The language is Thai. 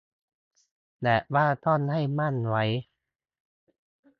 แบบว่าท่องให้มั่นไว้